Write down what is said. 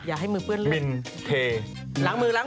อย่าให้มือเพื่อนเลือก